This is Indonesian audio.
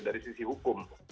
dari sisi hukum